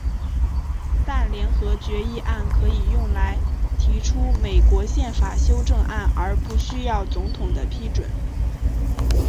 但联合决议案可以用来提出美国宪法修正案而不需要总统的批准。